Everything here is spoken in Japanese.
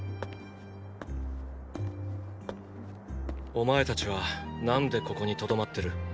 お前たちはなんでここに留まってる？